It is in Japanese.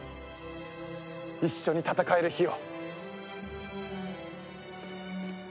一緒に戦える日を。